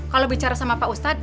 kalau bicara sama pak ustadz